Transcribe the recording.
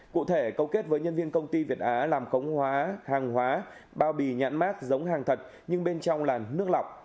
cụ thể cấu kết với nhân viên công ty việt á làm khống hóa hàng hóa bao bì nhãn mát giống hàng thật nhưng bên trong làn nước lọc